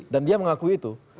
dan dia mengakui itu